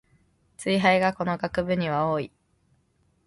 ツイ廃がこの学部には多い